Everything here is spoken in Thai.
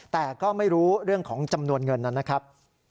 แต่ก็ไม่รู้เรื่องของจำนวนเงินนะครับ